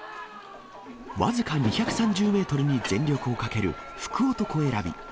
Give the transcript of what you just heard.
僅か２３０メートルに全力をかける福男選び。